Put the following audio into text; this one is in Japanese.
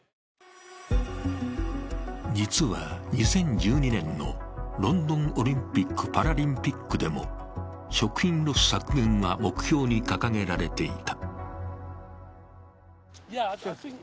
実は２０１２年のロンドンオリンピック・パラリンピックでも食品ロス削減は目標に掲げられていた。